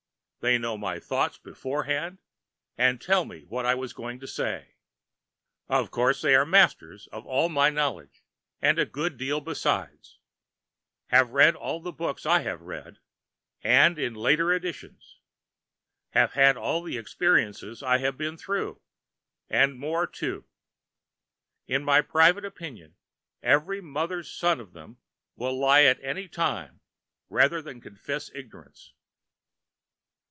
They know my thoughts beforehand, and tell me what I was going to say. Of course they are masters of all my knowledge, and a good deal besides; have read all the books I have read, and in later editions; have had all the experiences I have been through, and more too. In my private opinion every mother's son of them will lie at any time rather than confess ignorance.